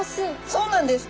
そうなんです！